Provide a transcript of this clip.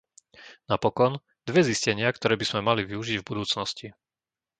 Napokon, dve zistenia, ktoré by sme mali využiť v budúcnosti.